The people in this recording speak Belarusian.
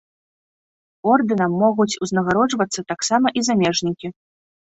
Ордэнам могуць узнагароджвацца таксама і замежнікі.